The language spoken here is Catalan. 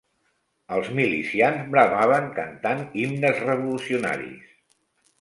Els milicians bramaven cantant himnes revolucionaris